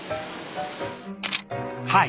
はい。